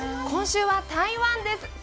今週は台湾です。